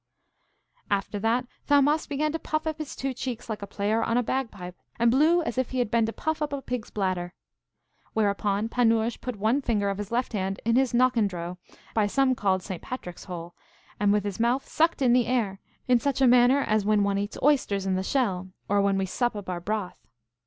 After that, Thaumast began to puff up his two cheeks like a player on a bagpipe, and blew as if he had been to puff up a pig's bladder. Whereupon Panurge put one finger of his left hand in his nockandrow, by some called St. Patrick's hole, and with his mouth sucked in the air, in such a manner as when one eats oysters in the shell, or when we sup up our broth.